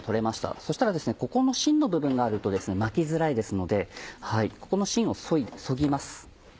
そしたらここのしんの部分があると巻きづらいですのでここのしんをそぎます。